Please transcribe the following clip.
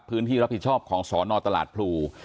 พื้นที่รับผิดชอบของสนตลาดพลู